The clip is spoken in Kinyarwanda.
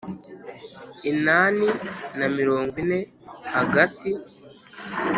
inani na mirongo ine Hagati